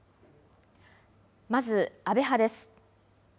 まず安倍派です。